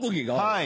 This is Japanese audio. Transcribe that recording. はい。